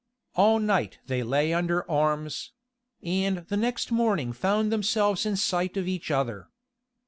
All night they lay under arms; and next morning found themselves in sight of each other.